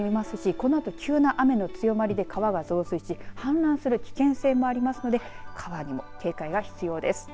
このあと急な雨の強まりで川が増水し氾濫する危険性もありますので川にも警戒が必要です。